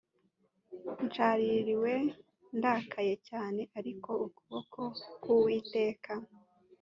nshaririwe ndakaye cyane ariko ukuboko k uwiteka